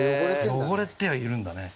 汚れてはいるんだね。